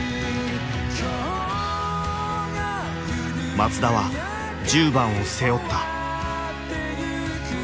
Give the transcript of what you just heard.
松田は１０番を背負った。